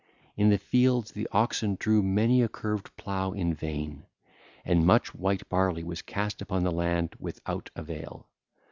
In the fields the oxen drew many a curved plough in vain, and much white barley was cast upon the land without avail.